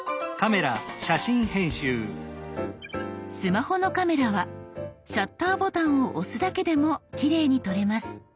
スマホのカメラはシャッターボタンを押すだけでもきれいに撮れます。